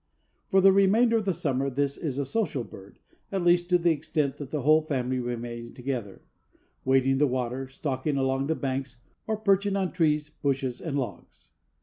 For the remainder of the summer this is a social bird, at least to the extent that the whole family remain together, wading the water, stalking along the banks or perching on trees, bushes and logs.